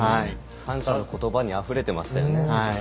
感謝のことばにあふれていましたよね。